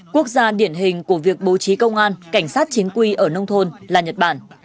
quốc gia điển hình của việc bố trí công an cảnh sát chính quy ở nông thôn là nhật bản